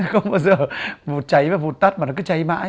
không bao giờ vụ cháy và vụt tắt mà nó cứ cháy mãi